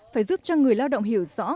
phải giúp cho người lao động hiểu rõ